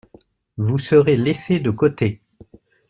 Vous serez laissés de côté.